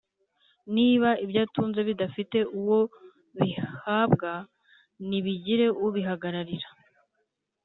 niba ibyatunze bidafite uwo bihabwa nibigire ubihagararira